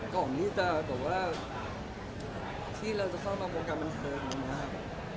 ก่อนก็บอกว่าที่เราจะเข้ามาวงการบรรเทิร์นนะครับ